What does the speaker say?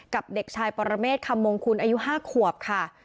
เด็กชายปรเมฆคำมงคุณอายุ๕ขวบค่ะ